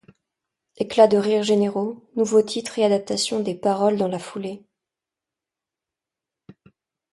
Éclats de rire généraux, nouveau titre et adaptation des paroles dans la foulée...